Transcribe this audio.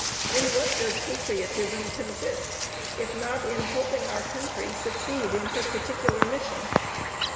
In what does patriotism consist if not in helping our country succeed in her particular mission?